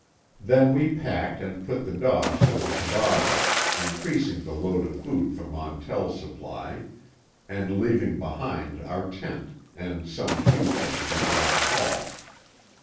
Then we packed and put the dogs to the toboggan, increasing the load of food from Montell's supply and leaving behind our tent and some few things we could not haul.